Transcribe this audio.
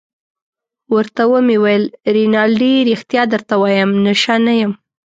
ورته ومې ویل: رینالډي ريښتیا درته وایم، نشه نه یم.